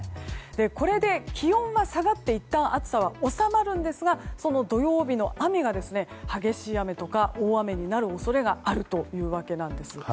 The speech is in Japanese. これで気温は下がっていったん暑さは収まるんですがその土曜日の雨が、激しい雨とか大雨になる恐れがあるというわけなんです。